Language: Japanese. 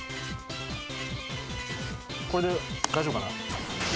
これで大丈夫かな？